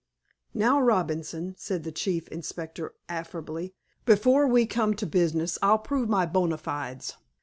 "Now, Robinson," said the Chief Inspector affably, "before we come to business I'll prove my bona fides.